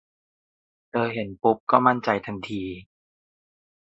เธอเห็นปุ๊บก็มั่นใจทันที